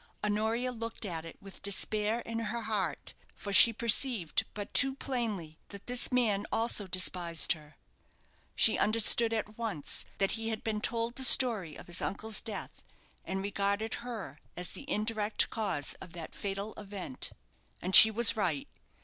Honoria looked at it with despair in her heart, for she perceived but too plainly that this man also despised her. She understood at once that he had been told the story of his uncle's death, and regarded her as the indirect cause of that fatal event. And she was right.